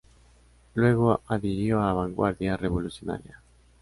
Luego adhirió a Vanguardia Revolucionaria.